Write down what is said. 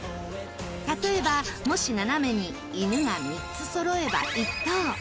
例えばもし斜めに犬が３つそろえば１等。